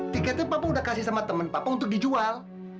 tiketnya papa udah kasih sama teman papa untuk dijual